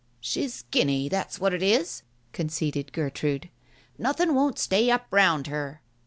"She's skinny, that's what it is !" conceded Gertrude. "Nothing won't stay up round her!